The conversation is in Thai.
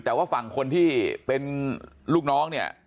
แต่ว่าฝั่งคนที่เป็นลูกน้องเนี่ย